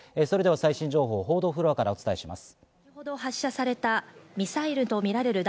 最新情報を報道フロアからお伝えします。